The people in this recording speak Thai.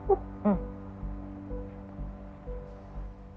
อืม